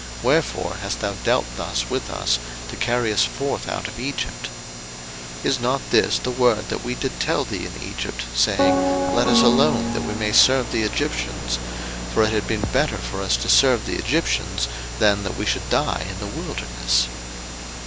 wherefore hast thou dealt thus with us, to carry us forth out of Egypt? 02:014:012 Is not this the word that we did tell thee in Egypt, saying, Let us alone, that we may serve the Egyptians? For it had been better for us to serve the Egyptians, than that we should die in the wilderness.